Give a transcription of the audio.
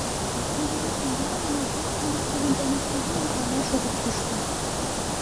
— Ӱдыр ушым налын, но врач-шамыч тудын дене кужун мутланаш огыт кӱштӧ.